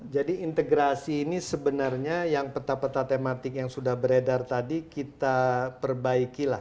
jadi integrasi ini sebenarnya yang peta peta tematik yang sudah beredar tadi kita perbaikilah